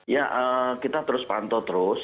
ya kita terus pantau terus